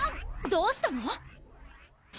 どうしたの？